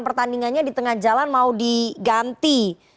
pertandingannya di tengah jalan mau diganti